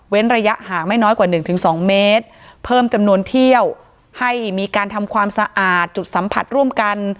ระยะห่างไม่น้อยกว่าหนึ่งถึงสองเมตรเพิ่มจำนวนเที่ยวให้มีการทำความสะอาดจุดสัมผัสร่วมกัน